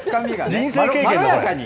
人生経験。